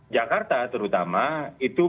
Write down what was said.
jakarta terutama itu